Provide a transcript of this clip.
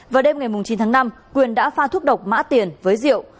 vào đêm ngày chín tháng năm quyền đã pha thuốc độc mã tiền với rượu